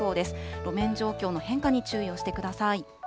路面状況の変化に注意をしてください。